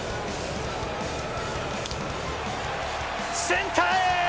センターへ！